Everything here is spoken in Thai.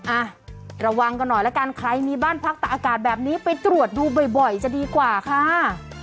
อ่ะระวังกันหน่อยละกันใครมีบ้านพักตะอากาศแบบนี้ไปตรวจดูบ่อยจะดีกว่าค่ะ